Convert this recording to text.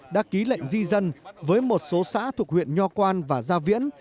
đã ký lệnh di dân với một số xã thuộc huyện nho quan và gia viễn